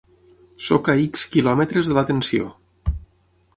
Sóc a ics quilòmetres de la tensió.